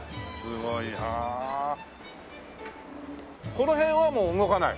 この辺はもう動かない？